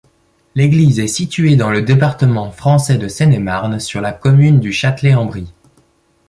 L'église est située dans le département français de Seine-et-Marne, sur la commune du Châtelet-en-Brie.